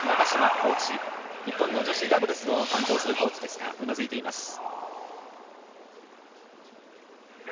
コーチ日本の女子ダブルスを担当するコーチですがうなずいていました。